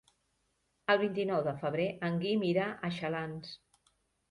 El vint-i-nou de febrer en Guim irà a Xalans.